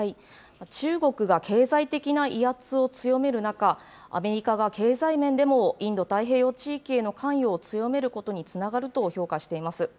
中国が経済的な威圧を強める中、アメリカが経済面でもインド太平洋地域への関与を強めることにつながると評価しています。